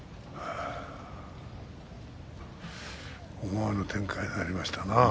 思わぬ展開になりましたな。